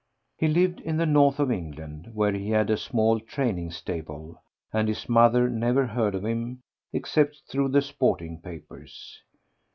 He lived in the North of England, where he had a small training stable, and his mother never heard of him except through the sporting papers.